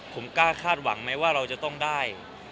ผมกล้าคาดหวังไหมว่าเราจะต้องได้